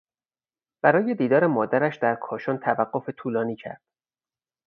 برای دیدار مادرش در کاشان توقف طولانی کرد.